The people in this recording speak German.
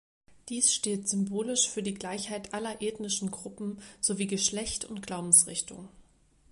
Dies steht symbolisch für die Gleichheit aller ethnischen Gruppen sowie Geschlecht und Glaubensrichtung.